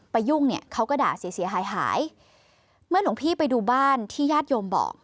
ยุ่งเนี่ยเขาก็ด่าเสียหายหายเมื่อหลวงพี่ไปดูบ้านที่ญาติโยมบอก